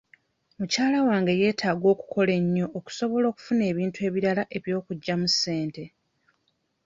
Mukyala wange yeetaaga okukola ennyo okusobola okufuna ebintu ebirala eby'okuggyamu ssente